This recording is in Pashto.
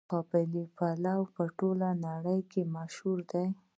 قابلي پلو په ټوله نړۍ کې مشهور دی.